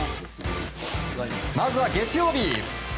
まずは月曜日